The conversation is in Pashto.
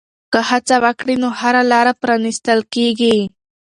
که هڅه وکړې نو هره لاره پرانیستل کېږي.